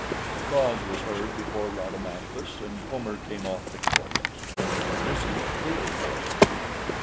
The cause was heard before Rhadamanthus, and Homer came off victorious. Ulysses pleaded for him.